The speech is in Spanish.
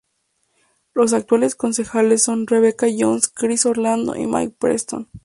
Los actuales concejales son Rebecca Jones, Chris Orlando y Mike Preston.